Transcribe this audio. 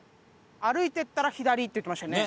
歩いていったら左って言ってましたよね。